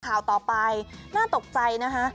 ข่าวต่อไปน่าตกใจนะคะ